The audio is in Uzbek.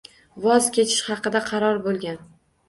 Voz kechish haqida qaror bo'lgan.